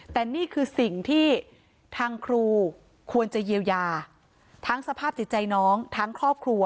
แต่นี่คือสิ่งที่ทางครูควรจะเยียวยาทั้งสภาพจิตใจน้องทั้งครอบครัว